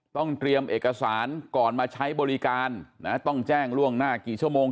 ต้องเตรียมเอกสารก่อนมาใช้บริการนะต้องแจ้งล่วงหน้ากี่ชั่วโมง